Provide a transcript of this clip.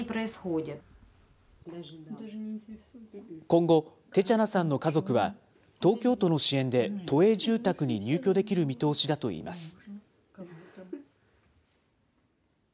今後、テチャナさんの家族は、東京都の支援で都営住宅に入居できる見通しだといいます。